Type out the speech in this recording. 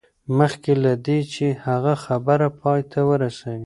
مخکې له دې چې هغه خبره پای ته ورسوي